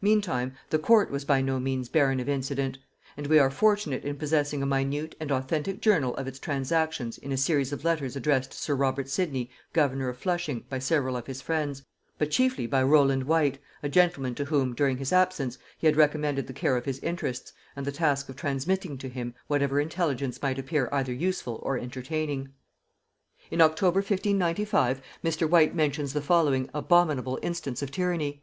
Meantime the court was by no means barren of incident; and we are fortunate in possessing a minute and authentic journal of its transactions in a series of letters addressed to sir Robert Sidney governor of Flushing by several of his friends, but chiefly by Rowland Whyte, a gentleman to whom, during his absence, he had recommended the care of his interests, and the task of transmitting to him whatever intelligence might appear either useful or entertaining. [Note 116: See Sidney Papers, passim.] In October 1595 Mr. Whyte mentions the following abominable instance of tyranny.